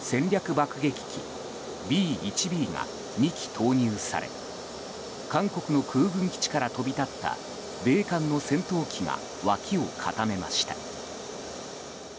爆撃機Ｂ１Ｂが２機投入され韓国の空軍基地から飛び立った米韓の戦闘機が脇を固めました。